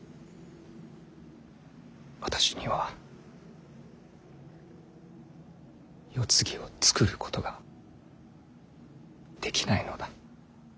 私には世継ぎを作ることができないのだ。